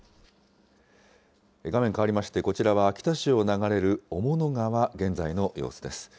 画面かわりまして、こちらは秋田市を流れる雄物川、現在の様子です。